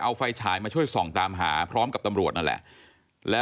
ตกลงไปจากรถไฟได้ยังไงสอบถามแล้วแต่ลูกชายก็ยังไง